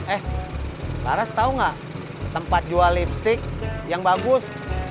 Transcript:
eh laras tau gak tempat jual lipstick yang bagus